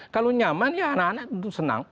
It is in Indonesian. kalau nyaman ya anak anak tentu senang